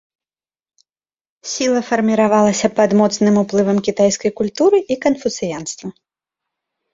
Сіла фарміравалася пад моцным уплывам кітайскай культуры і канфуцыянства.